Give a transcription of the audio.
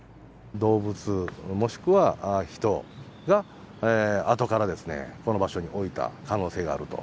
動物、もしくは人が、あとからこの場所に置いた可能性があると。